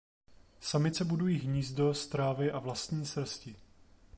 Samice budují hnízdo z trávy a vlastní srsti.